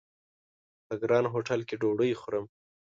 په ګران هوټل کې ډوډۍ خورم!